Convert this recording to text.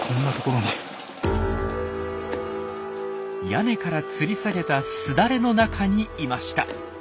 屋根からつり下げた簾の中にいました。